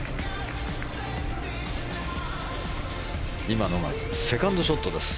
今のがセカンドショットです。